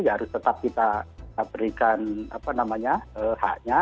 ya harus tetap kita berikan haknya